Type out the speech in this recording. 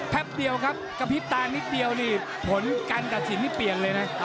เดียวครับกระพริบตานิดเดียวนี่ผลการตัดสินนี่เปลี่ยนเลยนะ